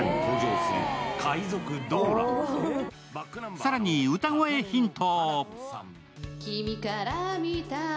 更に歌声ヒント。